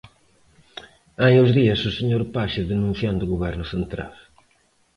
Hai uns días o señor Page, denunciando o Goberno central.